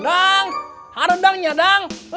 dang haro dangnya dang